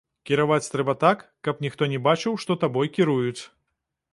Кіраваць трэба так, каб ніхто не бачыў, што табой кіруюць.